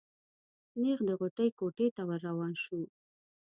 نېغ د غوټۍ کوټې ته ور روان شو.